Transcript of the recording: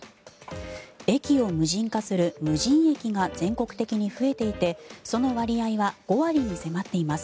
駅を無人化する無人駅が全国的に増えていてその割合は５割に迫っています。